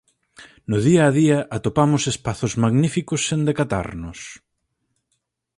No día a día atopamos espazos magníficos sen decatarnos.